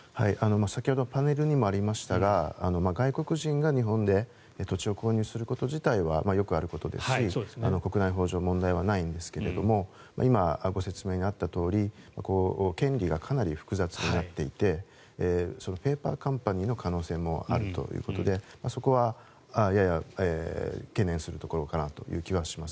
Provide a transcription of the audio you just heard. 先ほどパネルにもありましたが外国人が日本で土地を購入すること自体はよくあることですし国内法上、問題はないんですが今、ご説明にあったとおり権利がかなり複雑になっていてペーパーカンパニーの可能性もあるということでそこはやや懸念するところかなという気がします。